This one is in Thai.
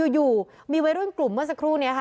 อยู่มีวัยรุ่นกลุ่มเมื่อสักครู่นี้ค่ะ